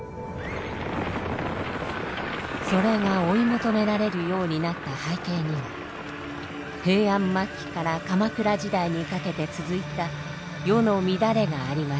それが追い求められるようになった背景には平安末期から鎌倉時代にかけて続いた世の乱れがありました。